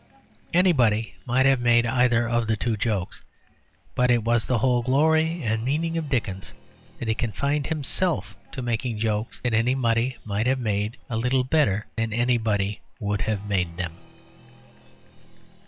Anybody might have made either of the two jokes. But it was the whole glory and meaning of Dickens that he confined himself to making jokes that anybody might have made a little better than anybody would have made them.